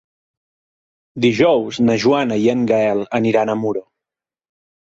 Dijous na Joana i en Gaël aniran a Muro.